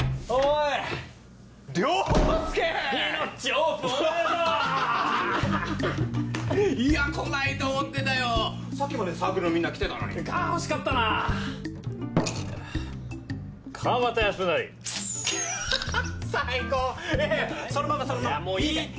いやもういいって！